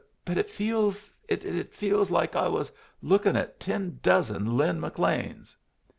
But it feels it feels like I was looking at ten dozen Lin McLeans."